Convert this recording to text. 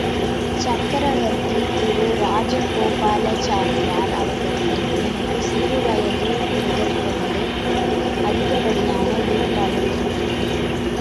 சக்கரவர்த்தி திரு ராஜகோபாலசாரியார் அவர்களிடம் எனக்குச் சிறு வயது முதற்கொண்டு அதிகப்படியான ஈடுபாடு உண்டு.